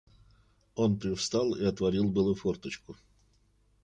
Он привстал и отворил было форточку.